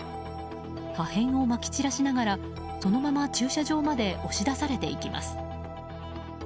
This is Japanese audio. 破片をまき散らしながらそのまま駐車場まで押し出されていきます。